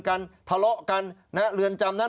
คนเยอะ